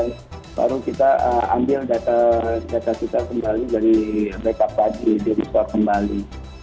baru kita ambil data kita kembali dari backup lagi di restore kembali